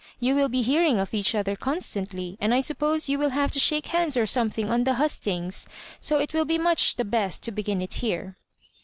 You will be hear ing of each other constantly ; and I suppose you ^wUl have to shake hands or something on the hustings— so it will be much the best to begin it here."